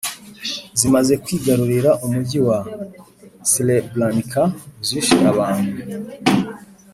zimaze kwigarurira umujyi wa srebrenica zishe abantu